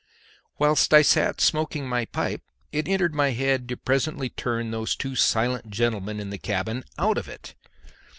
Whilst I sat smoking my pipe it entered my head to presently turn those two silent gentlemen in the cabin out of it.